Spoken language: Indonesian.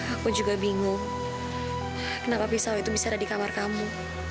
aku juga bingung kenapa pisau itu bisa ada di kamar kamu